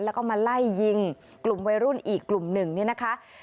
แล้วก็มาไล่ยิงกลุ่มวัยรุ่นอีกกลุ่มหนึ่งเนี่ยนะคะ